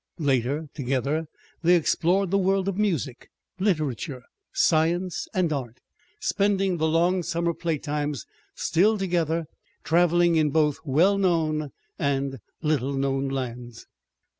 Later, together, they explored the world of music, literature, science, and art, spending the long summer playtimes, still together, traveling in both well known and little known lands.